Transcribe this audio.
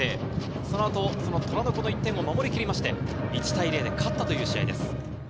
その後、この１点を守り切りまして、１対０で勝ったという試合です。